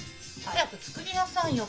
早く作りなさいよ。